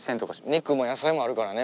肉も野菜もあるからね